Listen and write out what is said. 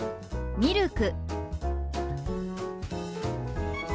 「ミルク」。